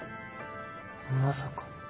まさか。